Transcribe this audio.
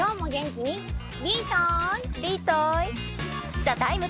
「ＴＨＥＴＩＭＥ，」